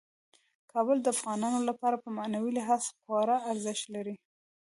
کابل د افغانانو لپاره په معنوي لحاظ خورا ارزښت لري.